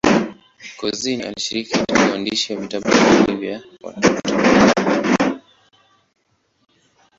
Couzyn alishiriki katika uandishi wa vitabu viwili vya watoto.